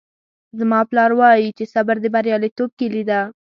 زما پلار وایي چې صبر د بریالیتوب کیلي ده